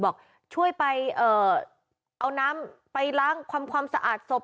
บอกช่วยไปเอาน้ำไปล้างทำความสะอาดศพ